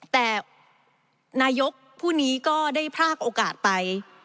แต่นายกผู้นี้ก็ได้พรากโอกาสไป